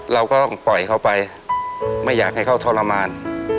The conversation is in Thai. เราก็ต้องปล่อยเขาไปไม่อยากให้เขาทรมาน